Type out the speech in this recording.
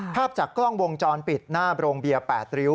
ภาพจากกล้องวงจรปิดหน้าโรงเบียร์๘ริ้ว